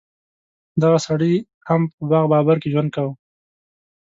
دغه سړي هم په باغ بابر کې ژوند کاوه.